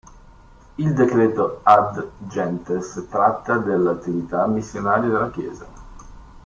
Il decreto "Ad Gentes" tratta dell'attività missionaria della Chiesa.